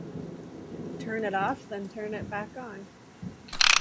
Turn it off, then turn it back on.